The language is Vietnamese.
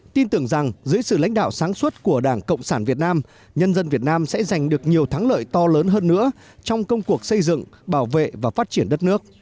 tin tưởng rằng dưới sự lãnh đạo sáng suốt của đảng cộng sản việt nam nhân dân việt nam sẽ giành được nhiều thắng lợi to lớn hơn nữa trong công cuộc xây dựng bảo vệ và phát triển đất nước